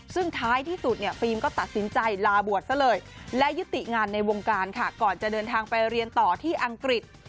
ซึ่งท้ายที่สุดเนี่ยฟิล์มก็ตัดสินใจลาบวชซะเลยและยุติงานในวงการค่ะก่อนจะเดินทางไปเรียนต่อที่อังกฤษ